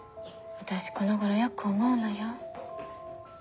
私このごろよく思うのよ。